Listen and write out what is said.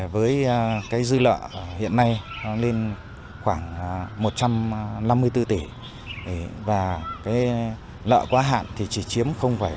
với dư lợ hiện nay lên khoảng một trăm năm mươi bốn tỷ và lợ quá hạn chỉ chiếm tám